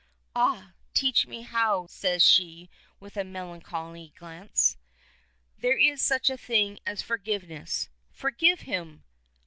"Ah! teach me how," says she with a melancholy glance. "There is such a thing as forgiveness. Forgive him!"